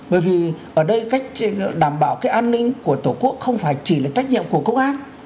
bởi vì ở đây cách đảm bảo cái an ninh của tổ quốc không phải chỉ là trách nhiệm của công an